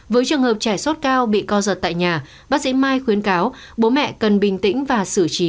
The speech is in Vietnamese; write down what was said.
với trường hợp trẻ sốt cao bị co giật tại nhà bác sĩ mai khuyến cáo bố mẹ cần bình tĩnh và xử trí